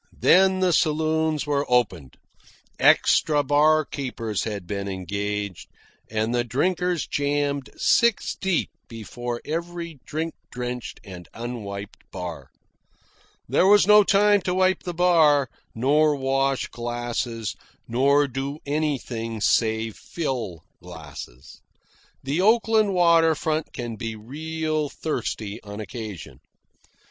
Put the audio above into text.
Then the saloons were opened. Extra barkeepers had been engaged, and the drinkers jammed six deep before every drink drenched and unwiped bar. There was no time to wipe the bar, nor wash glasses, nor do anything save fill glasses. The Oakland water front can be real thirsty on occasion.